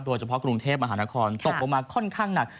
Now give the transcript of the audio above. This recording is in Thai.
โดยเฉพาะกรุงเทพมหานครตกลงมาค่อนข้างหนัก